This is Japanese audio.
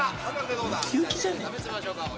ウキウキじゃねえか。